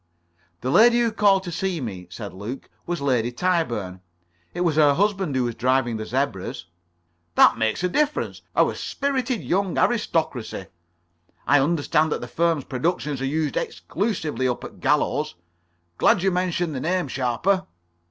"The lady who called to see me," said Luke, "was Lady Tyburn. It was her husband who was driving the zebras." "That makes a difference. Our spirited young aristocracy! I understand that the firm's productions are used exclusively up at Gallows. Glad you mentioned the name, Sharper."